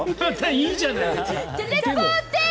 いいじゃない、別に。